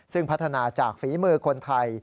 ซึ่งพัฒนาจากฝีมือคนไทย